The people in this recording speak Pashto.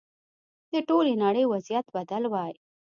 د ټولې نړۍ وضعیت بدل وای.